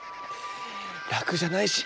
らくじゃないし。